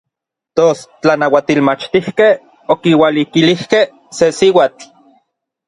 Tos n tlanauatilmachtijkej okiualikilijkej se siuatl.